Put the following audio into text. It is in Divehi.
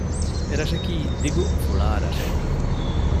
އެރަށަކީ ދިގު ފުޅާ ރަށެއް